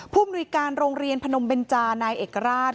มนุยการโรงเรียนพนมเบนจานายเอกราช